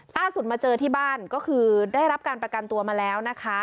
ล่าสุดมาเจอที่บ้านก็คือได้รับการประกันตัวมาแล้วนะคะ